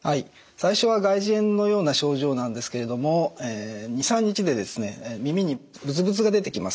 最初は外耳炎のような症状なんですけれども２３日で耳にブツブツが出てきます。